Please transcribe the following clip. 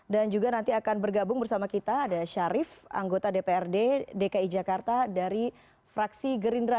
dan juga nanti akan bergabung bersama kita ada syarif anggota dprd dki jakarta dari fraksi gerindra